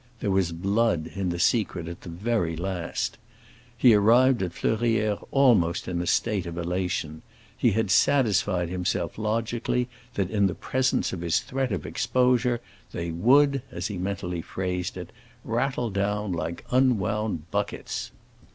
There was blood in the secret at the very least! He arrived at Fleurières almost in a state of elation; he had satisfied himself, logically, that in the presence of his threat of exposure they would, as he mentally phrased it, rattle down like unwound buckets.